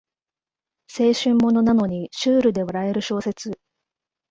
青春ものなのにシュールで笑える小説